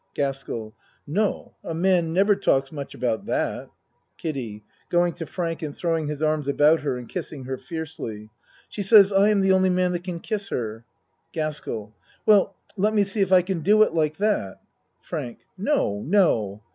GASKELL No, a man never talks much about that. KIDDIE (Going to Frank and throwing his arms about her and kissing her fiercely.) She says I am the only man that can kiss her. GASKELL Well, let me see if I can do it like that. FRANK No no